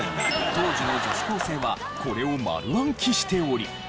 当時の女子高生はこれを丸暗記しており。